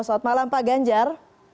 selamat malam pak ganjar